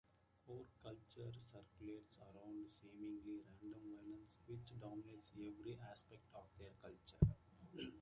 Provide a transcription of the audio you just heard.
Ork culture circulates around seemingly random violence, which dominates every aspect of their culture.